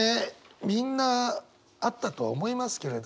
みんなあったとは思いますけれど。